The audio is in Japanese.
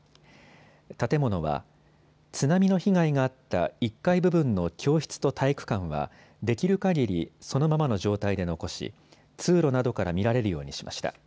建物は津波の被害があった１階部分の教室と体育館はできるかぎりそのままの状態で残し通路などから見られるようにしました。